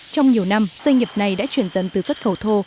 trong nhiều năm doanh nghiệp này đã chuyển dần từ xuất khẩu thô